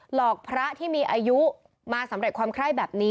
หลอกพระที่มีอายุมาสำเร็จความไคร้แบบนี้